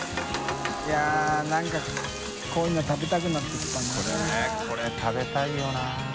いやっ何か海ΔいΔ食べたくなってきたなこれねこれ食べたいよな。